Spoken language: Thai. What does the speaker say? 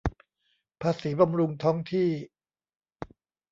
ภาษีบำรุงท้องที่